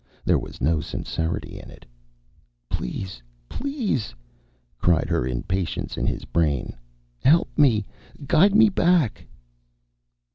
There was no sincerity in it. "Please, please!" cried her impatience in his brain. "Help me! Guide me back!"